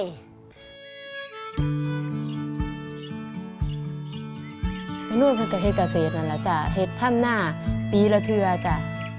นั่นมันก็เห็นกับเห็ดเกษตรนั่นแหละจ้ะเห็ดท่านหน้าปีละเทือนจ้ะ